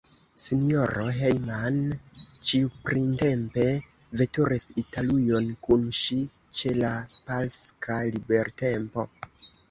S-ro Jehman ĉiuprintempe veturis Italujon kun ŝi, ĉe la paska libertempo.